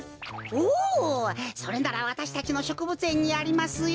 おおそれならわたしたちのしょくぶつえんにありますよ。